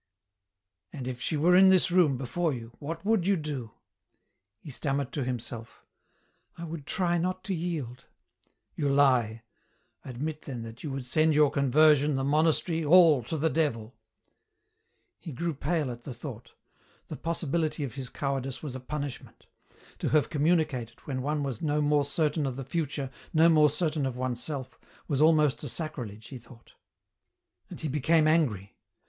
" And if she were in this room, before you, what would you do ?" He stammered to himself :" I would try not to yield." " You he ; admit then that you would send your conver sion, the monastery, all, to the devil." He grew pale at the thought ; the possibility of his cowar dice was a punishment. To have communicated, when one was no more certain of the future, no more certain of oneself, was almost a sacrilege, he thought. And he became angry.